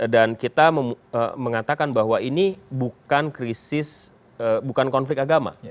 dan kita mengatakan bahwa ini bukan krisis bukan konflik agama